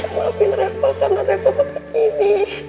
pakin rapah karena saya seperti ini